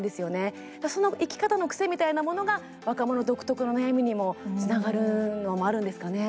その生き方の癖みたいなものが若者独特の悩みにもつながるのもあるんですかね。